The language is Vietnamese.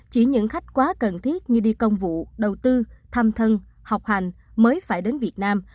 chỉ những khách quá cần thiết như đi công vụ đầu tư thăm thân học hành mới phải đến việt nam